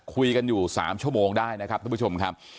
คุยกันอยู่๓ชั่วโมงได้นะครับทุกผู้ชมครับ